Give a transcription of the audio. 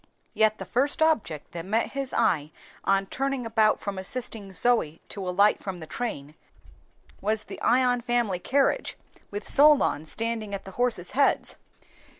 Yet the first object that met his eye on turning about from assisting Zoe to alight from the train, was the Ion family carriage, with Solon standing at the horses' heads.